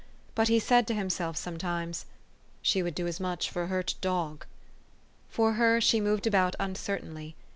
But he said to himself sometimes, " She would do as much for a hurt dog." For her, she moved about uncertainly.